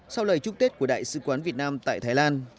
sau lời chúc tết của đại sứ quán việt nam tại thái lan